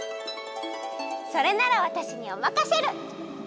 それならわたしにおまかシェル！